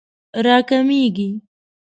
راکمېږي